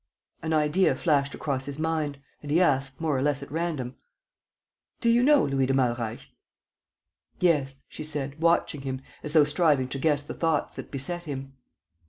An idea flashed across his mind; and he asked, more or less at random: "Do you know Louis de Malreich?" "Yes," she said, watching him, as though striving to guess the thoughts that beset him.